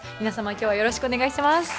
皆様今日はよろしくお願いします。